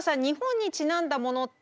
日本にちなんだもの